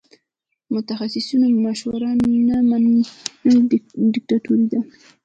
د متخصصینو مشوره نه منل دیکتاتوري ده.